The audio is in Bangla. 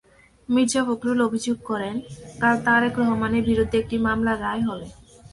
মির্জা ফখরুল অভিযোগ করেন, কাল তারেক রহমানের বিরুদ্ধে একটি মামলার রায় হবে।